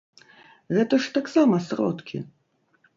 Гэта ж таксама сродкі!